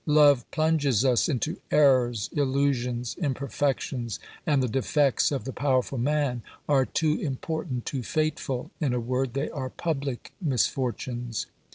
Love plunges us into errors, illusions, imperfections, and the defects of the powerful man are too important, too fateful — in a word, they are public misfortunes.